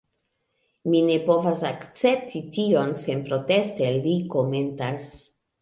Mi ne povas akcepti tion senproteste, li komentas.